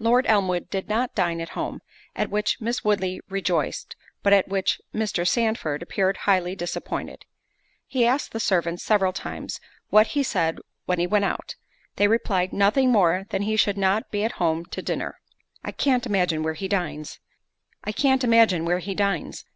Lord Elmwood did not dine at home, at which Miss Woodley rejoiced, but at which Mr. Sandford appeared highly disappointed. He asked the servants several times, what he said when he went out? They replied, "Nothing more than that he should not be at home to dinner." "I can't imagine where he dines?"